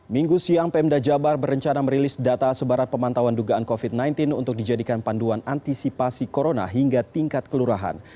minggu siang pemda jabar berencana merilis data sebaran pemantauan dugaan covid sembilan belas untuk dijadikan panduan antisipasi corona hingga tingkat kelurahan